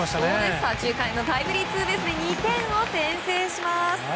左中間へのタイムリーツーベースで２点を先制します。